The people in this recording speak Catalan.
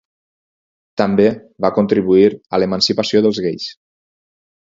També va contribuir a l'emancipació dels gais.